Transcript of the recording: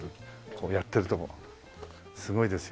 これやってるとこすごいですよ。